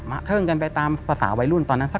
มาเทิงกันไปตามภาษาวัยรุ่นตอนนั้นสัก๑๗๑๘